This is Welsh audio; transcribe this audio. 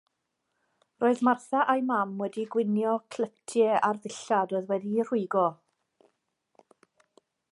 Roedd Martha a'i mam wedi gwnïo clytiau ar ddillad oedd wedi'u rhwygo.